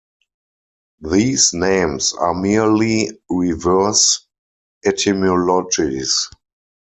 These names are merely reverse etymologies.